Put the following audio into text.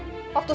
waktu suatu hari